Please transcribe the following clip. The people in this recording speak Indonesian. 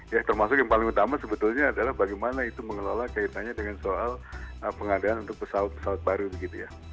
ya termasuk yang paling utama sebetulnya adalah bagaimana itu mengelola kaitannya dengan soal pengadaan untuk pesawat pesawat baru begitu ya